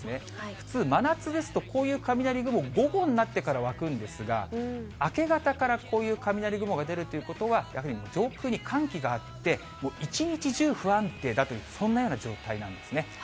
普通、真夏ですと、こういう雷雲、午後になってから湧くんですが、明け方からこういう雷雲が出るということは、やはり上空に寒気があって、一日中不安定だという、そんなような状態なんですね。